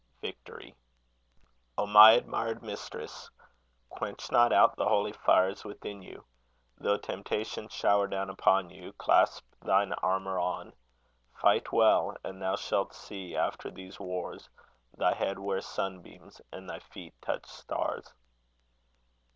VICTORY O my admired mistress, quench not out The holy fires within you, though temptations Shower down upon you: clasp thine armour on; Fight well, and thou shalt see, after these wars, Thy head wear sunbeams, and thy feet touch stars.